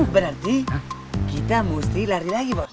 berarti kita mesti lari lagi bos